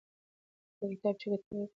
هغه کتاب چې ګټور دی لټوم.